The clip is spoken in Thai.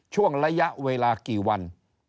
ช่วงระยะเวลากี่วัน